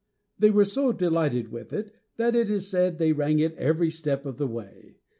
They were so delighted with it that it is said they rang it every step of the way.